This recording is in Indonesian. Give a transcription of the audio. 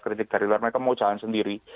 kritik dari luar mereka mau jalan sendiri